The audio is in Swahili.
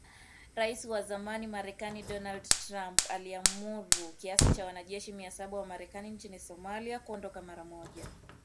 Rais wa zamani Marekani Donald Trump aliamuru kiasi cha wanajeshi mia saba wa Marekani nchini Somalia kuondoka mara moja!!